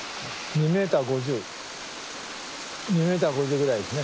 ２ｍ５０ぐらいですね。